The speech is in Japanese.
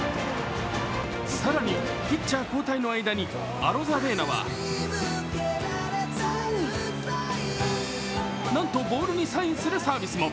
更にピッチャー交代の間に、アロザレーナはなんとボールにサインするサービスも。